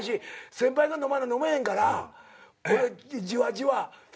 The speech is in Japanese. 先輩が飲まな飲めへんから俺じわじわ。